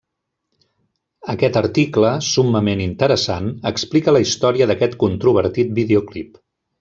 Aquest article, summament interessant, explica la història d'aquest controvertit videoclip.